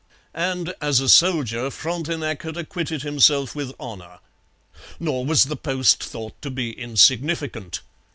And, as a soldier, Frontenac had acquitted himself with honour. Nor was the post thought to be insignificant.